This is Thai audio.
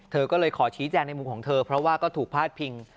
เธอก็เลยขอชี้แจงในมุมของเธอเพราะว่าก็ถูกพาดพิง